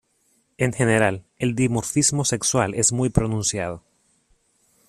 En general, el dimorfismo sexual es muy pronunciado.